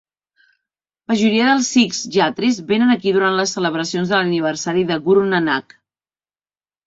Majoria dels sikhs yatris venen aquí durant les celebracions de l'aniversari de Guru Nanak.